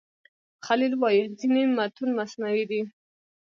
خلیل وايي ځینې متون مصنوعي دي.